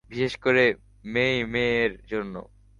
বিশেষ করে মেই-মেইয়ের জন্য।